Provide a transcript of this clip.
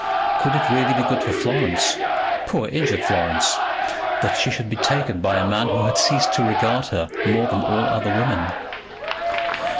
Could it really be good for Florence, poor injured Florence, that she should be taken by a man who had ceased to regard her more than all other women?